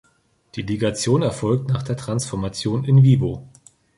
Die Ligation erfolgt nach der Transformation "in vivo".